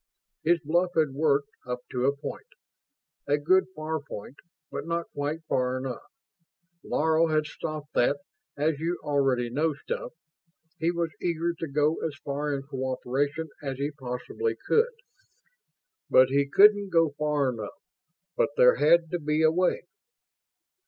His bluff had worked, up to a point. A good, far point, but not quite far enough. Laro had stopped that "as you already know" stuff. He was eager to go as far in cooperation as he possibly could ... but he couldn't go far enough but there had to be a way....